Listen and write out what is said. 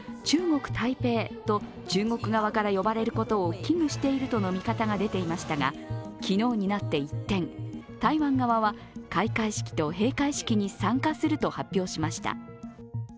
中国台北と中国側から呼ばれることを危惧しているとの見方が出ていましたが昨日になって一転台湾側は開会式と閉会式に参加すると発表しました。